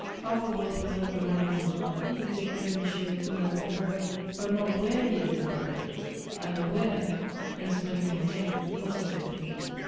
However well preserved the monuments might be, they could only show who had been buried, but not where he had been buried, and the where, as many maintained, was everything.